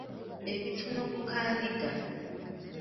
Ebitono ku kadinda.